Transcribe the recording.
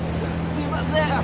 すいません。